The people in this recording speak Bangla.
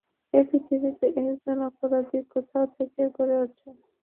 এই পৃথিবীতে, একজন অপরাধী কোথা থেকে গড়ে ওঠে?